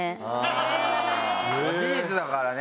事実だからね。